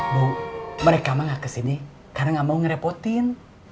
bu mereka mah gak kesini karena gak mau ngerepotin